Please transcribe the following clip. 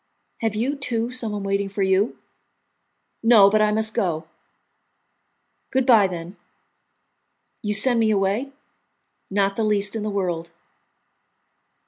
"Have you, too, someone waiting for you?" "No, but I must go." "Good bye, then." "You send me away?" "Not the least in the world."